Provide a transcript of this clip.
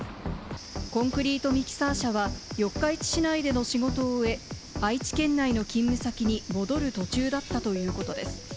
コンクリートミキサー車は四日市市内での仕事を終え、愛知県内の勤務先に戻る途中だったということです。